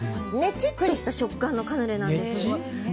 ちっとした食感のカヌレなんですけど。